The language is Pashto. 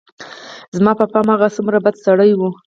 زما په پام هغه څومره بد سړى و.